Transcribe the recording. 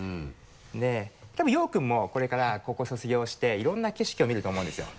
でたぶん庸生君もこれから高校卒業していろんな景色を見ると思うんですよ。